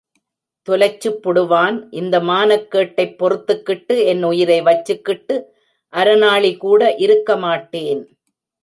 தொலைச்சேப்புடுவான் இந்த மானக்கேட்டைப் பொறுத்துக்கிட்டு என் உயிரை வச்சிக்கிட்டு அரநாளிகூட இருக்கமாட்டேன்.